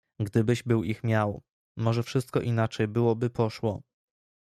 "Gdybyś był ich miał, może wszystko inaczej byłoby poszło."